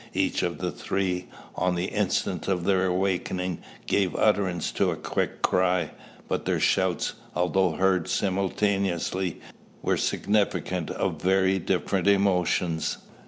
Each of the three, on the instant of their awaking, gave utterance to a quick cry, but their shouts, although heard simultaneously, were significant of very different emotions.